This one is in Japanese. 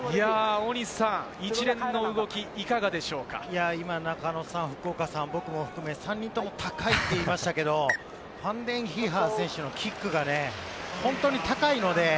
大西さん、一連の動中野さん、福岡さん、僕も含め３人とも高いって言いましたけれども、ファンデンヒーファー選手のキックがね、本当に高いので。